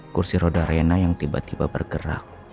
kursi roda rena yang tiba tiba bergerak